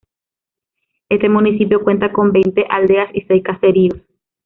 Este municipio cuenta con veinte aldeas y seis caseríos.